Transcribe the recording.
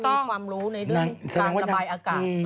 มีความรู้ในเรื่องการระบายอากาศ